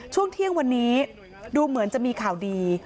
ช่วงเที่ยงวันนี้ดูเหมือนจะมีข่าวดี